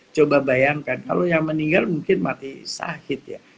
coba bayangkan kalau yang meninggal mungkin mati sakit ya